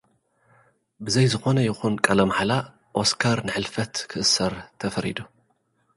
ብዘይ ዝኾነ ይኹን ቃለ ማሕላ፡ ኦስካር ንሕልፈት ክእሰር ተፈሪዱ።